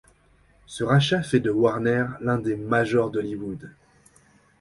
Ce rachat fait de Warner l'un des majors d'Hollywood.